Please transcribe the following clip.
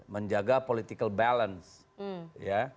menjaga political balance